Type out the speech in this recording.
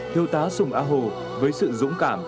thiêu tá sùng á hồ với sự dũng cảm